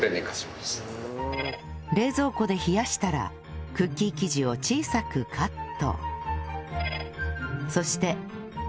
冷蔵庫で冷やしたらクッキー生地を小さくカット